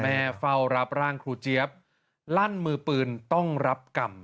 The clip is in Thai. เฝ้ารับร่างครูเจี๊ยบลั่นมือปืนต้องรับกรรม